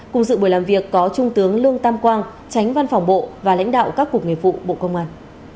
cùng dự buổi làm việc có trung tướng lương tam quang tránh văn phòng bộ và lãnh đạo các cục nghiệp vụ bộ công an